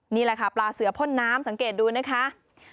นี่แหละค่ะปลาเสือพ่นน้ำสังเกตดูนะคะ